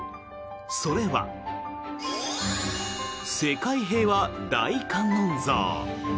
それは、世界平和大観音像。